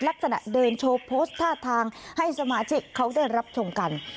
ลักษณะเดินโชว์โพสต์ท่าทางให้สมาชิกเขาได้รับชมกัน